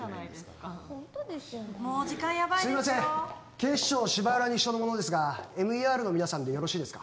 警視庁芝浦西署の者ですがＭＥＲの皆さんでよろしいですか？